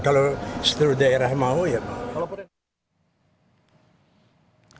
kalau seluruh daerah mau ya